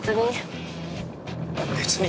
◆別に。